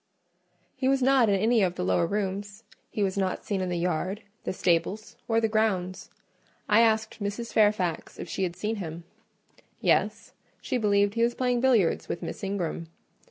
He was not in any of the lower rooms; he was not in the yard, the stables, or the grounds. I asked Mrs. Fairfax if she had seen him;—yes: she believed he was playing billiards with Miss Ingram.